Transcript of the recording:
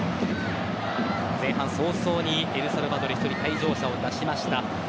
前半早々にエルサルバドル１人、退場者を出しました。